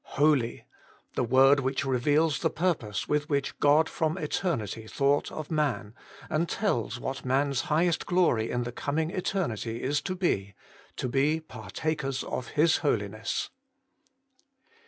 HOLY ! the word which reveals the purpose with which God from eternity thought of man, and tells what man's highest glory in the coming eternity is to be ; to be partaker of His Holiness